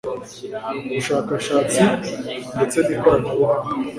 ubushakashatsindetse nikoranabuhanga